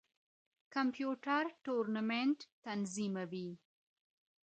کمپيوټر ټورنمنټ تنظيموي.